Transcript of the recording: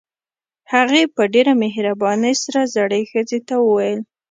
هغې په ډېره مهربانۍ سره زړې ښځې ته وويل.